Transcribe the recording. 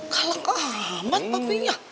kalah kalah amat papinya